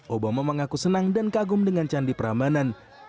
obama mengaku senang dan kagum dengan candi prambanan